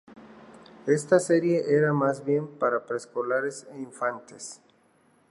Esta serie era más bien para preescolares e infantes.